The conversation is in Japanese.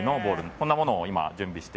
こんなものを今、準備して。